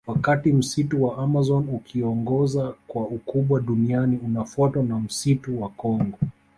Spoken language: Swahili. Wakati Msitu wa Amazon ukiongoza kwa ukubwa duniani unafuatiwa na msitu wa Kongo